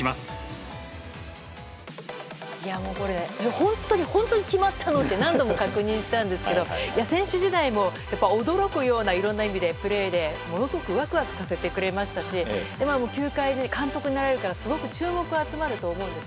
本当に本当に決まったの？って何度も確認したんですけど選手時代もいろんな意味で驚くようなプレーでものすごくわくわくさせてくれましたし球界で監督になられたらすごく注目が集まるんです。